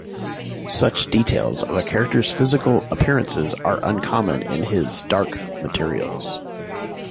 Such details of a character's physical appearances are uncommon in "His Dark Materials".